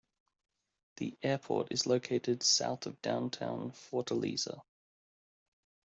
The airport is located south of downtown Fortaleza.